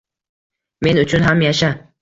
Men uchun ham yasha